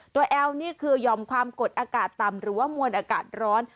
แอลนี่คือยอมความกดอากาศต่ำหรือว่ามวลอากาศร้อน